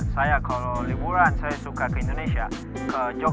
saya suka berbicara bahasa indonesia di pernikahan